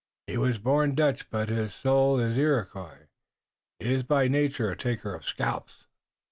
He wass born Dutch but hiss soul iss Iroquois! He iss by nature a taker of scalps."